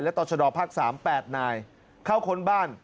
และตรภ๓๘นายเข้าคนบ้าน